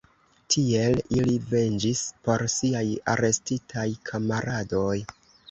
Tiel ili venĝis por siaj arestitaj kamaradoj.